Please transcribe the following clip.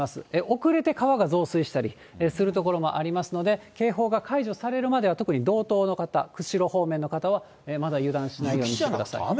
遅れて川が増水したりする所もありますので、警報が解除されるまでは特に道東の方、釧路方面の方は、まだ油断しないようにしてください。